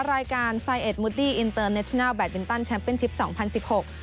รายการไซเอ็ดมูดดี้อินเตอร์เนชนัลแดดมินตันแชมป์เป็นชิปสองพันสิบหก